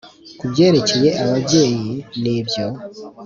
kubyerekeye ababyeyi, nibyo,